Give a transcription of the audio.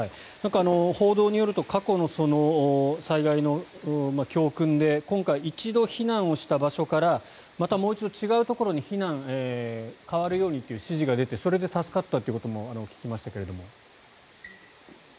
報道によると過去の災害の教訓で今回、一度避難した場所からまたもう一度違うところに避難変わるようにという指示が出てそれで助かったということも聞きましたけども。